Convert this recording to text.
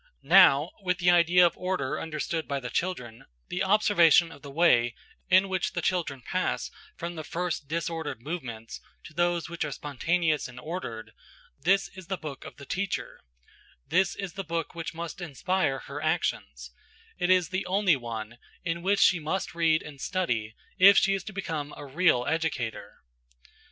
Now (with the idea of order understood by the children) the observation of the way in which the children pass from the first disordered movements to those which are spontaneous and ordered–this is the book of the teacher; this is the book which must inspire her actions; it is the only one in which she must read and study if she is to become a real educator.